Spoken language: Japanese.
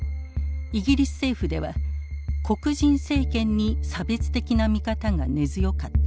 イギリス政府では黒人政権に差別的な見方が根強かった。